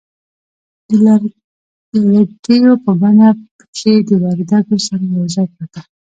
د لږکیو په بڼه پکښې د وردگو سره یوځای پرته